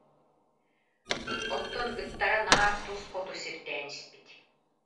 Оттон ыттара наар тус хоту сирдээн испит